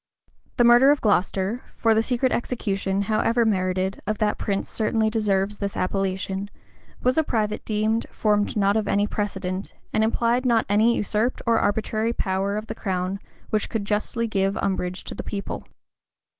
The murder of Glocester (for the secret execution, however merited, of that prince certainly deserves this appellation) was a private deed formed not any precedent, and implied not any usurped or arbitrary power of the crown which could justly give umbrage to the people.